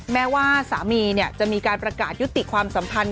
แม้ว่าสามีจะมีการประกาศยุติความสัมพันธ์